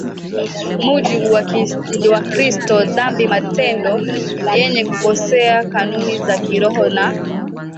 mujibu wa Kristo dhambi matendo yenye kukosea kanuni za kiroho na